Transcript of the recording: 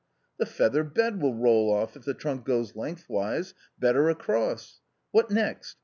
" The feather bed will roll off, if the trunk goes lengthways; better across. What next